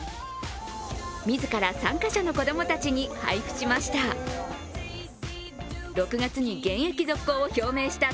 自ら参加者の子供たちに配布しました。